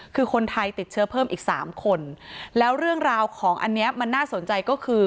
คือคนไทยติดเชื้อเพิ่มอีกสามคนแล้วเรื่องราวของอันเนี้ยมันน่าสนใจก็คือ